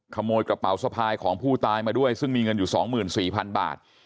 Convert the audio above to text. ขโมยกระเป๋าสะพายของผู้ตายมาด้วยซึ่งมีเงินอยู่๒๔๐๐๐บาท